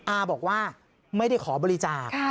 อาบอกว่าไม่ได้ขอบริจาค